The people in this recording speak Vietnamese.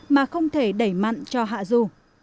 mà không thể đẩy mặn cho hạ dù